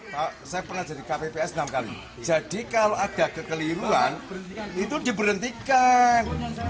pak saya pernah jadi kpps enam kali jadi kalau ada kekeliruan itu diberhentikan